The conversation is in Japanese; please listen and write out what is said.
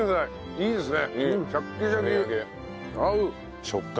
いいですね。